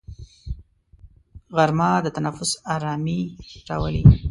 غرمه د تنفس ارامي راولي